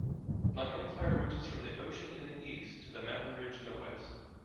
My empire reaches from the ocean in the East to the mountain ridge in the West.